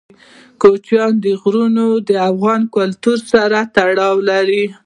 کوچیان د لرغوني افغان کلتور سره تړاو لري.